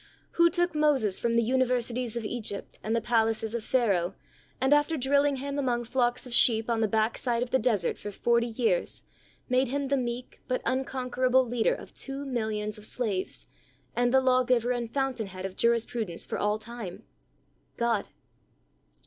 Who took Moses from the universities of Egypt and the palaces of Pharaoh and after drilling him among flocks of sheep on the back side of the desert for forty years, made him the meek, but unconquer able leader of two millions of slaves, and the law giver and fountain head of jurispru dence for all time? God.